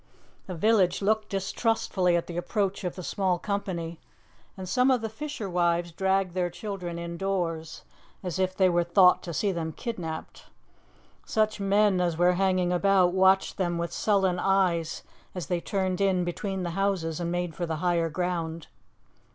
The village looked distrustfully at the approach of the small company, and some of the fisher wives dragged their children indoors as if they thought to see them kidnapped. Such men as were hanging about watched them with sullen eyes as they turned in between the houses and made for the higher ground.